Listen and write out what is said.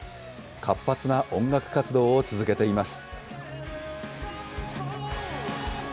活発な音楽活動を続けています。